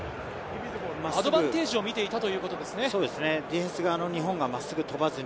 アドバンテージをみていたということですね。